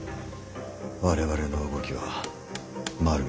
我々の動きは丸見えだ。